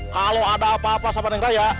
kalau ada apa apa sama dengan raya